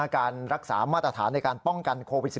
การรักษามาตรฐานในการป้องกันโควิด๑๙